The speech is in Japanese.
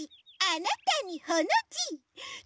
あなたにほのじ。